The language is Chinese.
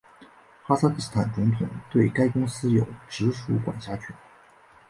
哈萨克斯坦总统对该公园有直属管辖权。